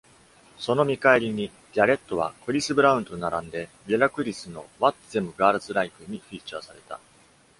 その見返りに、ギャレットはクリス・ブラウンと並んでリュダクリスの『What Them Girls Like』にフィーチャーされた。